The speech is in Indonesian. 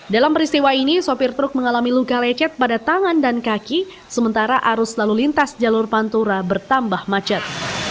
dalam peristiwa ini sopir truk mengalami luka lecet pada tangan dan kaki sementara arus lalu lintas jalur pantura bertambah macet